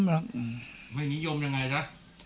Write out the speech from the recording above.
ไม่นิยมยังไงซะ